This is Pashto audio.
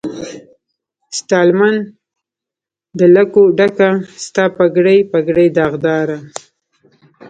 ستالمن د لکو ډکه، ستا پګړۍ، پګړۍ داغداره